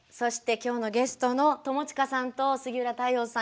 今日のゲストの友近さんと杉浦太陽さん